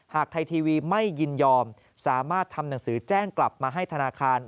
หากไทยทีวีไม่ยินยอมสามารถทำหนังสือแจ้งกลับมาให้ธนาคาร